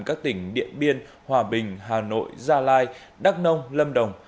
các tỉnh điện biên hòa bình hà nội gia lai đắk nông lâm đồng